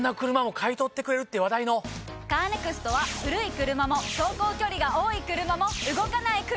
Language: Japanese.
カーネクストは古い車も走行距離が多い車も動かない車でも。